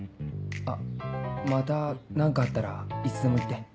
あっまた何かあったらいつでも言って。